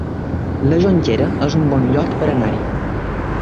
La Jonquera es un bon lloc per anar-hi